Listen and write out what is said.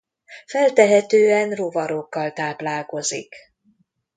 Feltehetően rovarokkal táplálkozik.